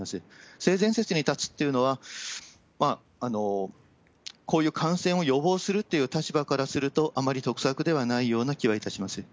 性善説に立つっていうのは、こういう感染を予防するっていう立場からすると、あまり得策ではないような気はいたします。